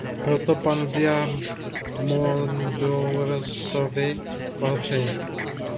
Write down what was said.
Proto panu Diamandourosovi blahopřeji.